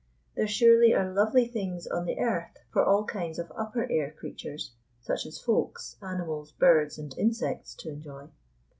There surely are lovely things on the earth for all kinds of upper air creatures, such as Folks, animals, birds, and insects, to enjoy.